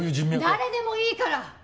誰でもいいから！